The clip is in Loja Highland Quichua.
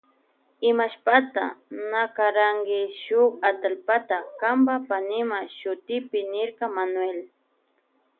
Imashpata na karanki shuk atallpata kanpa y panipa shutipi niyrka Manuel.